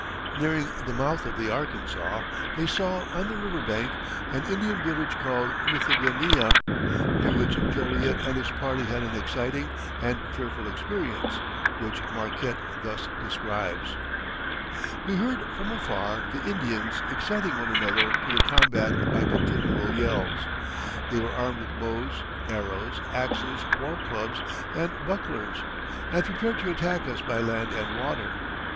Nearing the mouth of the Arkansas, they saw on the river bank an Indian village called Mithiganea, near which Joliet and his party had an exciting and fearful experience, which Marquette thus describes: "We heard from afar the Indians exciting one another to the combat by continual yells. They were armed with bows, arrows, axes, war clubs, and bucklers, and prepared to attack us by land and water.